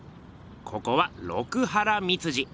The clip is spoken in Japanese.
ここは六波羅蜜寺！